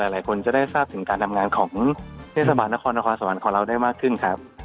หลายคนจะได้ทราบถึงการทำงานของเทศบาลนครนครสวรรค์ของเราได้มากขึ้นครับ